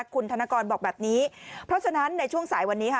คุณธนกรบอกแบบนี้เพราะฉะนั้นในช่วงสายวันนี้ค่ะ